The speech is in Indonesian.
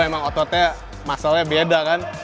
emang ototnya muscle nya beda kan